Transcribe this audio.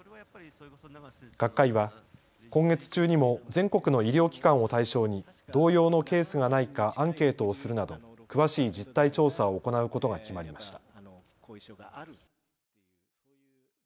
学会は今月中にも全国の医療機関を対象に同様のケースがないかアンケートをするなど詳しい実態調査を行うことが決まりました。